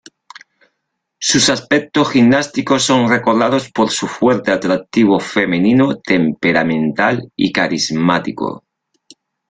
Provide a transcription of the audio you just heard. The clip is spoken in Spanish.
Sus aspectos gimnásticos son recordados por "su fuerte atractivo femenino, temperamental y carismático".